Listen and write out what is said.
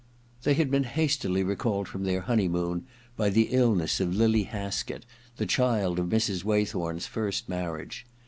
They had been hastily recalled from their honeymoon by the illness of Lily Haskett, the child of Mrs. Waythorn's first marriage.